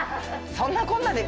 そんなこんなで。